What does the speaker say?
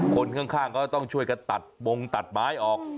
คนข้างก็ต้องช่วยกันตัดมงตัดไม้ออก